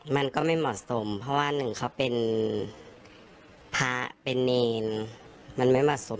มันก็ไม่เหมาะสมเพราะว่าหนึ่งเขาเป็นพระเป็นเนรมันไม่เหมาะสม